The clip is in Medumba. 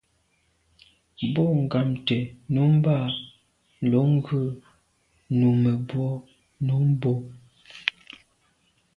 Bo ghamt’é nummb’a lo ghù numebwô num bo.